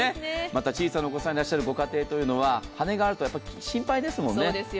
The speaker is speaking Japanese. また小さなお子さんがいらっしゃるご家庭は羽根があると心配ですよね。